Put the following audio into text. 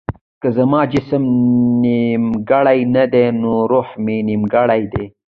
که زما جسم نيمګړی نه دی نو روح مې نيمګړی دی.